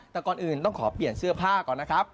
แต่ก่อนอื่นต้องขอเปลี่ยนเสื้อผ้าก่อนนะครับ